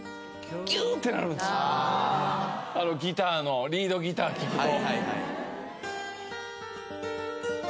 あのギターのリードギター聴くと。